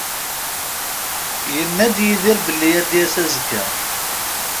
Yenna-d Yidir belli ad d-yas azekka.